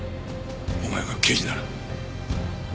お前が刑事なら。